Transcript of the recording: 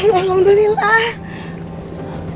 rena ya allah